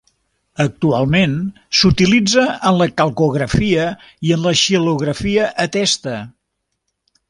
Actualment s'utilitza en la calcografia i en la xilografia a testa.